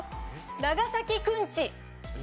長崎くんち。